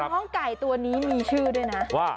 น้องไก่ตัวนี้มีชื่อด้วยนะว่า